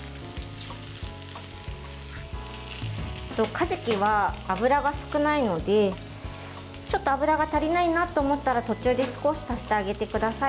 かじきは脂が少ないのでちょっと油が足りないなと思ったら途中で少し足してあげてください。